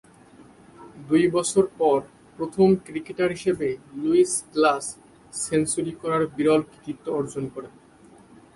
দুই বছর পর প্রথম ক্রিকেটার হিসেবে লুইস গ্লাস সেঞ্চুরি করার বিরল কৃতিত্ব অর্জন করেন।